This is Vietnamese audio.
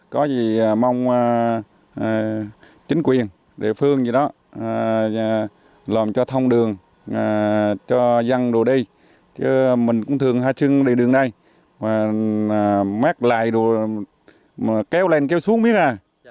có gì mong chính quyền địa phương như đó làm cho thông đường cho dân đồ đi chứ mình cũng thường hạ chưng đường này mát lại đồ kéo lên kéo xuống biết à